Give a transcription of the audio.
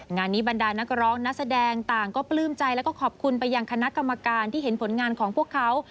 งานนี้บรรดานักร้องนักแสดงต่างก็ปลื้มใจแล้วก็ขอบคุณไปยังคณะกรรมการที่เห็นผลงานของพวกเขา